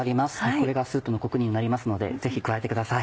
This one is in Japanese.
これがスープのコクにもなりますのでぜひ加えてください。